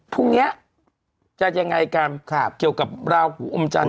พรุ่งนี้จะยังไงกันเกี่ยวกับราหูอมจันท